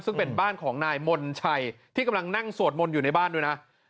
ซึ่งเป็นบ้านของนายมนชัยที่กำลังนั่งสวดมนต์อยู่ในบ้านด้วยนะ